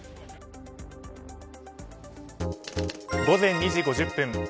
午前２時５０分。